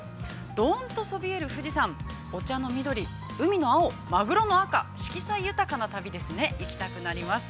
ドーンとそびえる富士山、お茶の緑、海の青、マグロの赤、色彩豊かな旅ですね、行きたくなります。